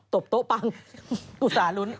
บโต๊ะปังอุตส่าหลุ้น